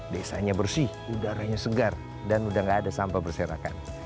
desanya bersih udaranya segar dan udah gak ada sampah berserakan